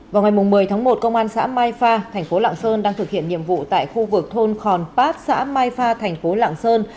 vào ngày một mươi tháng một công an xã mai pha thành phố lạng sơn đang thực hiện nhiệm vụ tại khu vực thôn khòn pát xã mai pha thành phố lạng sơn